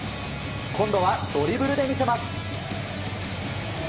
今度はドリブルで魅せます。